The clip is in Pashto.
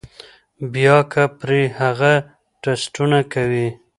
بيا کۀ پرې هغه ټسټونه کوي